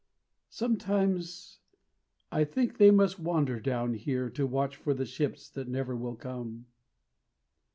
Sometimes, I think, they must wander down here To watch for the ships that never will come.